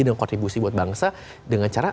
dan kontribusi buat bangsa dengan cara